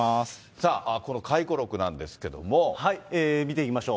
この回顧録なんですけれども、見ていきましょう。